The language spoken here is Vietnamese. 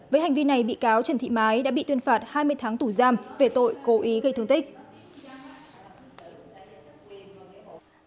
với hành vi này bị cáo trần thị mái đã bị tuyên phạt hai mươi tháng tù giam về tội cố ý gây thương tích